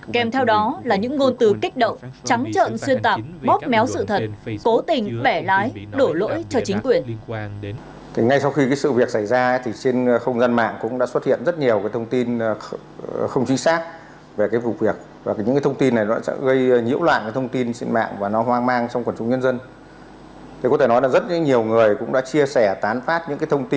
kèm theo đó là những ngôn từ kích động trắng trợn xuyên tạc bóp méo sự thật cố tình bẻ lái đổ lỗi cho chính quyền